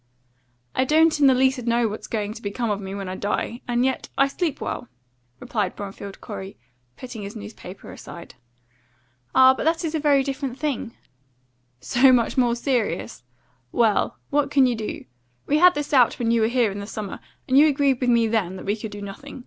"I don't in the least know what's going to become of me when I die; and yet I sleep well," replied Bromfield Corey, putting his newspaper aside. "Ah! but this is a very different thing." "So much more serious? Well, what can you do? We had this out when you were here in the summer, and you agreed with me then that we could do nothing.